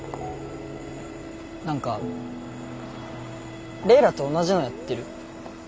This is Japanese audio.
何かれいらと同じのやってる？